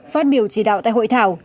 phát biểu chỉ đạo tại hội thảo